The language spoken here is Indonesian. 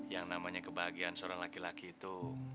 yang namanya kebahagiaan seorang laki laki itu